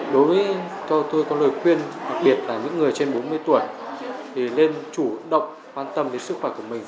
đối với tôi có lời khuyên đặc biệt là những người trên bốn mươi tuổi thì nên chủ động quan tâm đến sức khỏe của mình